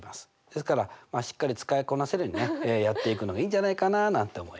ですからしっかり使いこなせるようにねやっていくのがいいんじゃないかななんて思いますね。